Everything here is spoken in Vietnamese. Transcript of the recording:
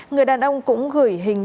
người đàn ông cũng gửi hình